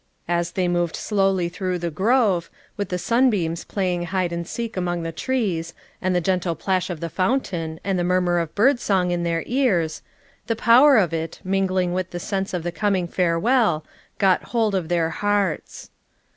As they moved slowly through the grove, with the sunbeams playing hide and seek among the trees, and tho gentle plash of the fountain, and tho murmur of bird song in their ears, the power of it, mingling with the sense of tho coming farewell, got hold of their hearts.